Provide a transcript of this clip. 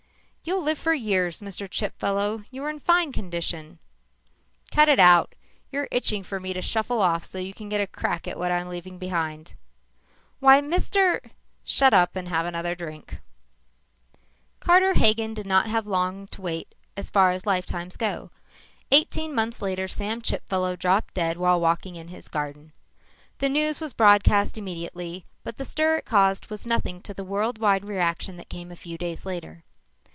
"You'll live for years, Mr. Chipfellow. You're in fine condition." "Cut it out. You're itching for me to shuffle off so you can get a crack at what I'm leaving behind." "Why, Mr. " "Shut up and have another drink." Carter Hagen did not have long to wait as life times go. Eighteen months later, Sam Chipfellow dropped dead while walking in his garden. The news was broadcast immediately but the stir it caused was nothing to the worldwide reaction that came a few days later.